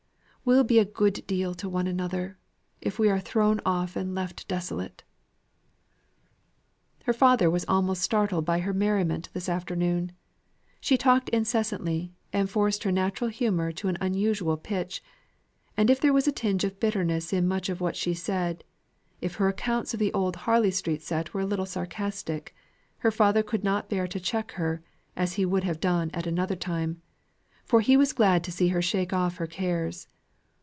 We'll be a great deal to one another, if we are thrown off and left desolate." Her father was almost startled by her merriment this morning. She talked incessantly, and forced her natural humour to an unusual pitch; and if there was a tinge of bitterness in much of what she said; if her accounts of the old Harley Street set were a little sarcastic, her father could not bear to check her, as he would have done at another time for he was glad to see her shake off her cares.